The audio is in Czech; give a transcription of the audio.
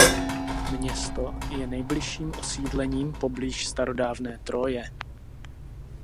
Město je nejbližším osídlením poblíž starodávné Tróje.